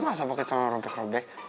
masa pake celana rumpik rumpik